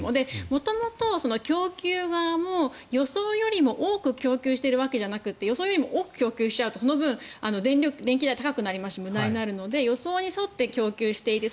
元々、供給側も予想よりも多く供給しているわけじゃなくて予想よりも多く供給しちゃうとその分、電気代が高くなりますし無駄になるので予想に沿って供給している。